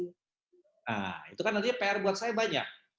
nah itu kan nantinya pr buat saya banyak